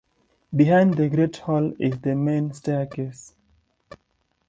Behind the great hall is the main staircase.